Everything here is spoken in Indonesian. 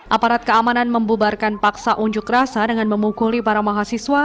aparat keamanan membubarkan paksa unjuk rasa dengan memukuli para mahasiswa